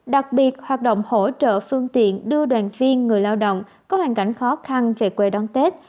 đặc biệt hoạt động hỗ trợ phương tiện đưa đoàn viên người lao động có hoàn cảnh khó khăn về quê đón tết